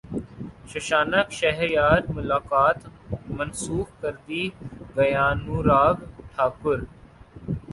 ششانک شہریار ملاقات منسوخ کردی گئیانوراگ ٹھاکر